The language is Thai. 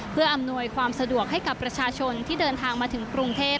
เพื่ออำนวยความสะดวกให้กับประชาชนที่เดินทางมาถึงกรุงเทพ